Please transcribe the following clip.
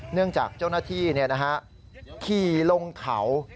เนื่องจากเจ้าหน้าที่ขี่ลงเขา